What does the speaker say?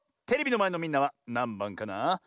テレビのまえのみんなはなんばんかなあ？